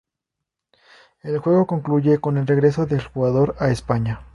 El juego concluye con el regreso del jugador a España.